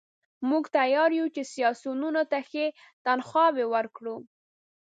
موږ تیار یو چې سیاسیونو ته ښې تنخواوې ورکړو.